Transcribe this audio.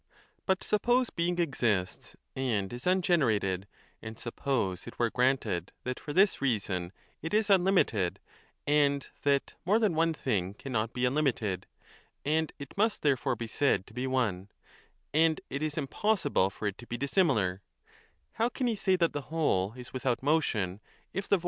But suppose Being exists and is ungenerated, and suppose it were granted that for this reason it is unlimited, and that more than one thing cannot be unlimited, and it 10 must therefore be said to be one, and it is impossible for it to be dissimilar how can he say that the whole is without motion, if the void cannot exist